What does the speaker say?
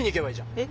えっ？